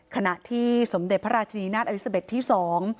ขณะที่สมเด็จพระราชนีนาฏอลิซาเบ็ดที่สอง